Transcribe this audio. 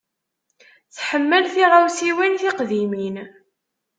Tḥemmel tiɣawsiwin tiqdimin.